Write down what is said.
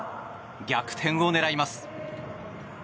逆転を狙います。